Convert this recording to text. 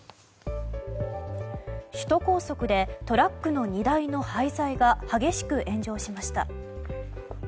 首都高速でトラックの荷台の廃材が激しく炎上しました。